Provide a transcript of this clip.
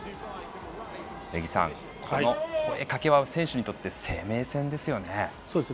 根木さん、声かけは選手にとっては生命線ですよね。